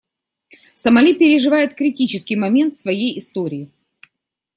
Сомали переживает критический момент в своей истории.